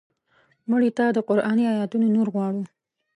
مړه ته د قرآني آیتونو نور غواړو